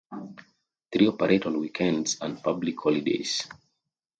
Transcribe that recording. Three operate on weekends and public holidays.